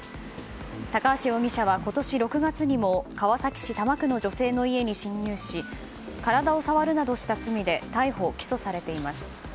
高橋容疑者は今年６月にも川崎市多摩区の女性の家に侵入し体を触るなどした罪で逮捕・起訴されています。